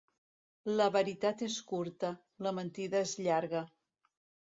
La veritat és curta, la mentida és llarga.